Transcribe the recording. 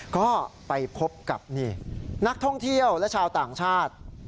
ก็ไปพบกับนี่นักท่องเที่ยวและชาวต่างชาติ